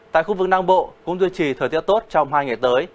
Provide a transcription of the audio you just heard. tại khu vực nam bộ cũng duy trì thời tiết tốt trong hai ngày tới